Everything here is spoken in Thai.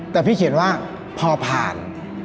แต่พี่เขียนว่าพอผ่าน